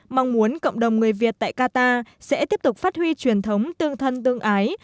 mong muốn cộng đồng người việt tại qatar sẽ tiếp tục phát huy truyền thống tương thân tương ái